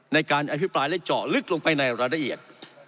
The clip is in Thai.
ในการอภิปรายและเจาะลึกลงไปในรายละเอียด